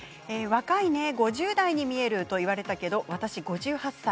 若いね５０代に見えると言われたけど私５８歳。